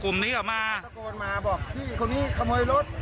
คนนี้ก็ตะโกนมาบอกพี่คนนี้ขโมยรถ